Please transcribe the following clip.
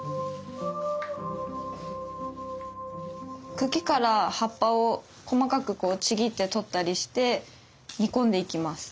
茎から葉っぱを細かくこうちぎって取ったりして煮込んでいきます。